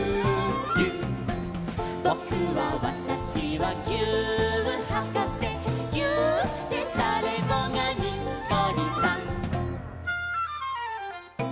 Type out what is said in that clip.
「ぼくはわたしはぎゅーっはかせ」「ぎゅーっでだれもがにっこりさん！」